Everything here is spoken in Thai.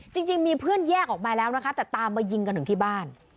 จริงมีเพื่อนแยกออกมาแล้วนะคะแต่ตามมายิงกันถึงที่บ้าน